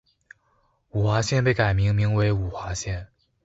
五华县被改名名为五华县。